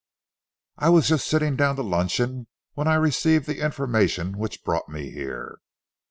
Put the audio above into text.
I was just sitting down to luncheon when I received the information which brought me here."